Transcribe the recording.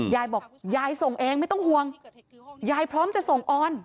ยายบอกยายส่งเองไม่ต้องห่วงยายพร้อมจะส่งออน